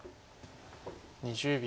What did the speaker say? ２０秒。